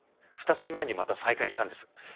ふた月前にまた再開したんです。